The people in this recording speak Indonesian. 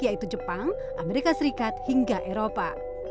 yaitu jepang amerika serikat hingga eropa